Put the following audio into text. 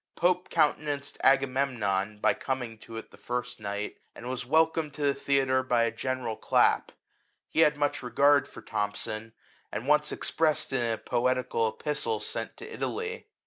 Pope countenanced Agamemnon,'' by coming to it the first night, and was welcomed to the theatre by a general clap ; he had much regard for Thom son, and once expressed it in a poetical Epistle sent to Italy.